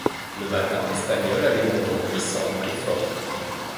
Le mâtin espagnol a des membres puissants et forts.